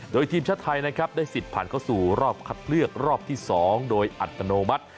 โดยทีมชาติไทยนะครับได้สิทธิ์ผ่านเข้าสู่รอบคัดเลือกรอบที่๒โดยอัตโนมัติ